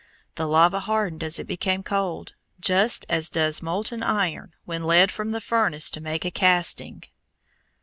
The lava hardened as it became cold, just as does molten iron when led from the furnace to make a casting.